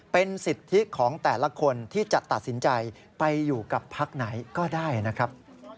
เป็นสิทธิของแต่ละคนที่จะตัดสินใจไปอยู่กับพักไหนก็ได้นะครับ